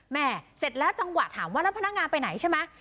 เสร็จแล้วจังหวะถามว่าแล้วพนักงานไปไหนใช่ไหม